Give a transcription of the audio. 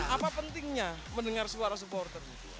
apa pentingnya mendengar suara supporter itu